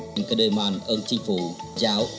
các đời mòn ơn chính phủ giáo